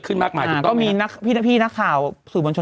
ขึ้นมากมายจริงต้องไหมอ่าก็มีนักพี่พี่นักข่าวสื่อบัญชน